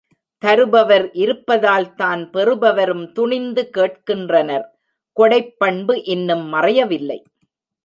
தருபவர் இருப்பதால்தான் பெறுபவரும் துணிந்து கேட்கின்றனர் கொடைப் பண்பு இன்னும் மறையவில்லை.